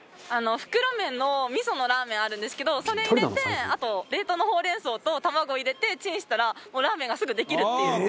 袋麺の味噌のラーメンあるんですけどそれ入れてあと冷凍のほうれん草と卵入れてチンしたらもうラーメンがすぐできるっていう。